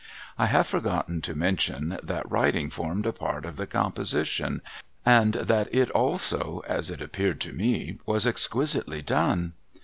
I have forgotten to mention that writing formed a part of the com position, and that it also — as it appeared to me — was exquisitely done.